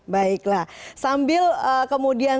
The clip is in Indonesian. baiklah sambil kemudian